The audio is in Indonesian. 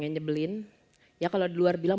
yang nyebelin ya kalau di luar bilang